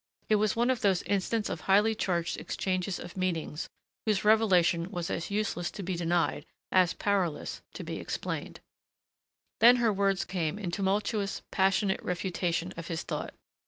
It was one of those instants of highly charged exchanges of meanings whose revelation was as useless to be denied as powerless to be explained. Then her words came in tumultuous, passionate refutation of his thought.